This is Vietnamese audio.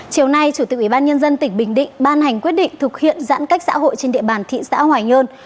chiều nay chủ tịch ubnd tỉnh bình định ban hành quyết định thực hiện giãn cách xã hội trên địa bàn thị xã hoài nhơn